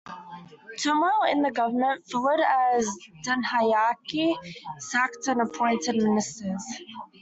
Turmoil in the government followed as Dahanayake sacked and appointed ministers.